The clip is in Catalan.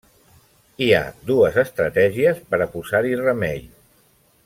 Hi ha dues estratègies per a posar-hi remei.